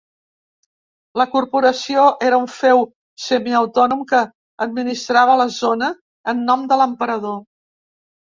La Corporació era un feu semiautònom que administrava la zona en nom de l'emperador.